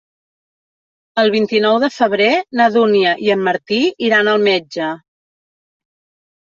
El vint-i-nou de febrer na Dúnia i en Martí iran al metge.